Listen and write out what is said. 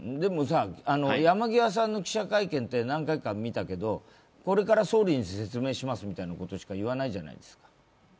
山際さんの記者会見って何回か見たけどこれから総理に説明しますみたいなことしか言わないじゃないですか。